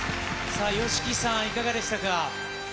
さあ、ＹＯＳＨＩＫＩさん、いかがでしたか。